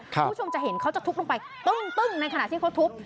คุณผู้ชมจะเห็นเขาจะทุบลงไปตึ้งในขณะที่เขาทุบ